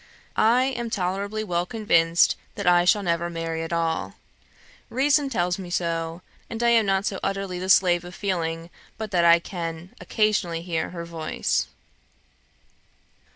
"I am tolerably well convinced that I shall never marry at all. Reason tells me so, and I am not so utterly the slave of feeling but that I can occasionally hear her voice."